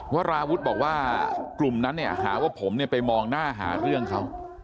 วราวุฒิบอกว่ากลุ่มนั้นเนี่ยหาว่าผมเนี่ยไปมองหน้าหาเรื่องเขา